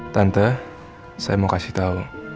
tante saya mau kasih tahu